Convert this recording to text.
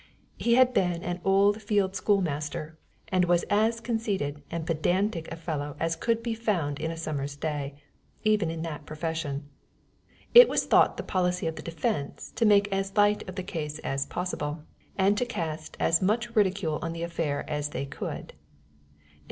He had been an old field school master, and was as conceited and pedantic a fellow as could be found in a summer's day, even in that profession. It was thought the policy of the defense to make as light of the case as possible, and to cast as much ridicule on the affair as they could.